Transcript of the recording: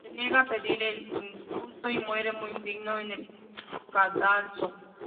Se niega a pedir el indulto y muere, muy digno, en el cadalso.